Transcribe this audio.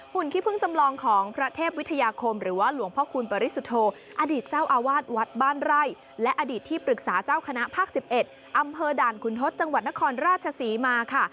ขี้พึ่งจำลองของพระเทพวิทยาคมหรือว่าหลวงพ่อคูณปริสุทธโธอดีตเจ้าอาวาสวัดบ้านไร่และอดีตที่ปรึกษาเจ้าคณะภาค๑๑อำเภอด่านคุณทศจังหวัดนครราชศรีมาค่ะ